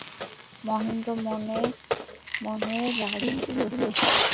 মহেন্দ্র মনে মনে রাগিল।